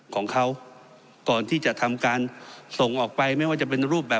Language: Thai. ของเขาก่อนที่จะทำการส่งออกไปไม่ว่าจะเป็นรูปแบบ